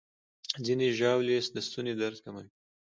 ځینې ژاولې د ستوني درد کموي.